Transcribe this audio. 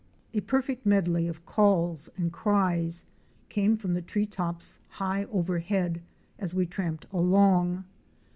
167 A perfect medley of calls and cries came from the tree tops high overhead as we tramped along.